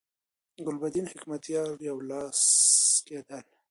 د ګلبدین حکمتیار یو لاس کېدل.